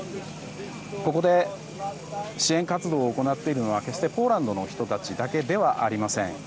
ここで支援活動を行っているのは決してポーランドの人たちだけではありません。